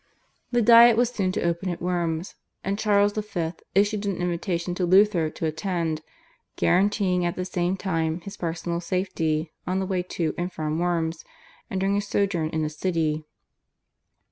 The Diet was soon to open at Worms, and Charles V. issued an invitation to Luther to attend, guaranteeing at the same time his personal safety on the way to and from Worms and during his sojourn in the city.